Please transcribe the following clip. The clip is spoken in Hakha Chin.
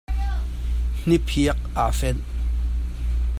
Hni phiak aa fenh.